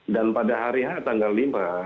dan pada hari tanggal lima